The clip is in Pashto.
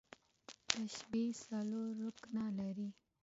تشبیه څلور رکنه لري.